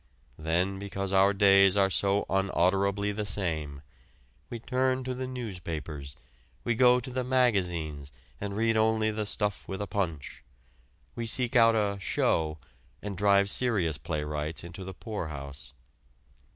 Then because our days are so unutterably the same, we turn to the newspapers, we go to the magazines and read only the "stuff with punch," we seek out a "show" and drive serious playwrights into the poorhouse.